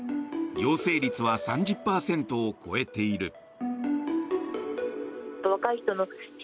陽性率は３０％を超えている。